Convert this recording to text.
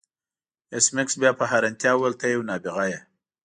ایس میکس بیا په حیرانتیا وویل ته یو نابغه یې